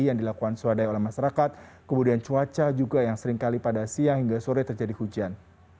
yang dilakukan swadaya oleh masyarakat kemudian cuaca juga yang seringkali pada siang hingga sore terjadi hujan